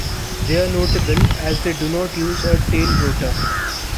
They are notable as they do not use a tail-rotor.